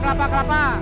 kelapa kelapa kelapa